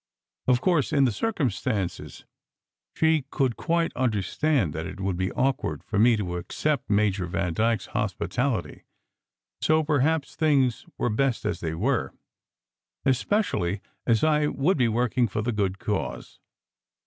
Of course, in the circum stances, she could quite understand that it would be awk ward for me to accept Major Vandyke s hospitality, so SECRET HISTORY 253 perhaps things were best as they were, especially as I would be working for the good cause.